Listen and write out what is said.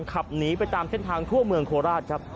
ขับหนีไปตามเส้นทางทั่วเมืองโคราชครับ